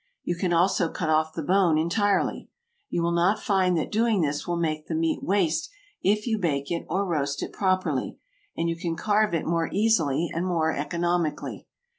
You can also cut off the bone entirely. You will not find that doing this will make the meat waste if you bake it or roast it properly, and you can carve it more easily and more economically.